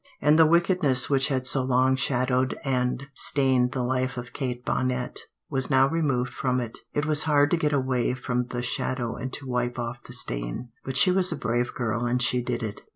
And the wickedness which had so long shadowed and stained the life of Kate Bonnet was now removed from it. It was hard to get away from the shadow and to wipe off the stain, but she was a brave girl and she did it.